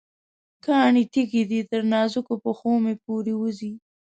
کاڼې تېره دي، تر نازکو پښومې پورې وځي